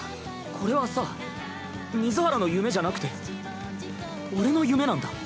これはさ水原の夢じゃなくて俺の夢なんだ。